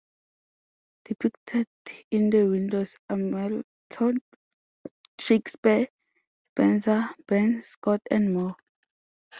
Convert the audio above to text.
Depicted in the windows are Milton, Shakespeare, Spencer, Burns, Scott and Moore.